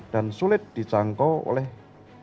dan sulit dicangkau oleh kendaraan mobil